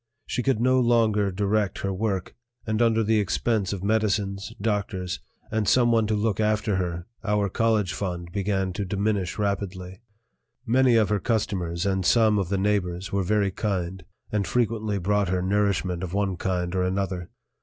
She could no longer direct her work, and under the expense of medicines, doctors, and someone to look after her our college fund began to diminish rapidly. Many of her customers and some of the neighbors were very kind, and frequently brought her nourishment of one kind or another.